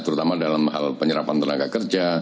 terutama dalam hal penyerapan tenaga kerja